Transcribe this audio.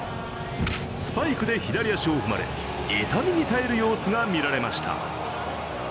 スパイクで左足を踏まれ、痛みに耐える様子が見られました。